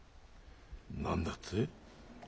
何だって？